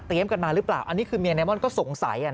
กันมาหรือเปล่าอันนี้คือเมียไนม่อนก็สงสัย